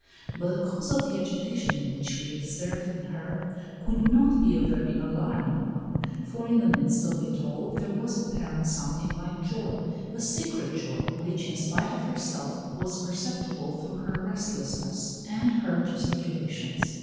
But the cause of the agitation which we observe in her could not be a very alarming one, for in the midst of it all there was apparent something like joy, a secret joy which in spite of herself was perceptible through her restlessness and her gesticulations.